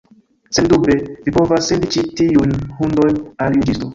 Sendube, vi povas sendi ĉi tiujn hundojn al juĝisto.